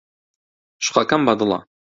شوقەکەم بەدڵە.